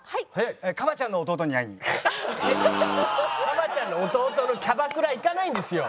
ＫＡＢＡ．ちゃんの弟のキャバクラ行かないんですよ。